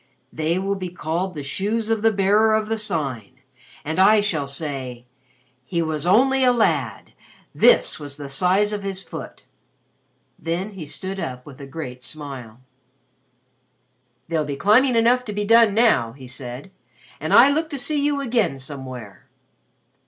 "They will be called the shoes of the Bearer of the Sign. And I shall say, 'He was only a lad. This was the size of his foot.'" Then he stood up with a great smile. "There'll be climbing enough to be done now," he said, "and I look to see you again somewhere."